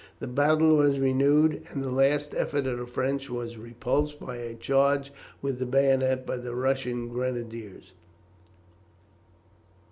The battle was renewed, and the last effort of the French was repulsed by a charge with the bayonet by the Russian grenadiers.